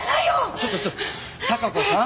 ちょっとちょっと貴子さん